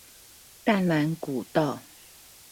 淡蘭古道